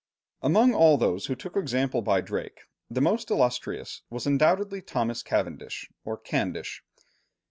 Among all those who took example by Drake, the most illustrious was undoubtedly Thomas Cavendish or Candish.